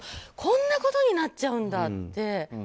こんなことになっちゃうんだって。